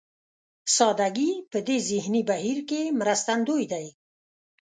سادهګي په دې ذهني بهير کې مرستندوی دی.